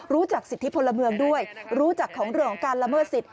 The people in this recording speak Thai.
สิทธิพลเมืองด้วยรู้จักของเรื่องของการละเมิดสิทธิ